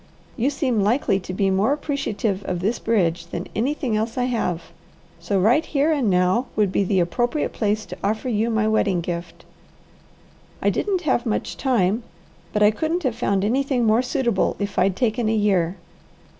You seem likely to be more appreciative of this bridge than anything else I have, so right here and now would be the appropriate place to offer you my wedding gift. I didn't have much time, but I couldn't have found anything more suitable if I'd taken a year."